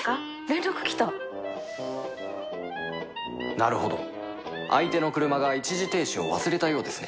なるほど相手の車が一時停止を忘れたようですね